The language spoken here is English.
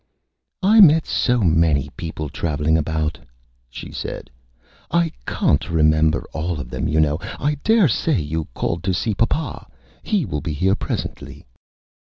"I meet so many People traveling about," she said; "I cahn't remember all of them, you know. I dare say you called to see Pu pah; he will be here Presently."